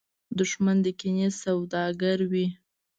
دښمن د کینې سوداګر وي